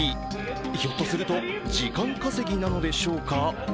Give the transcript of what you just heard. ひょっとすると時間稼ぎなのでしょうか。